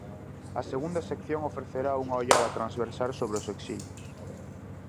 A segunda sección ofrecerá unha ollada transversal sobre os exilios.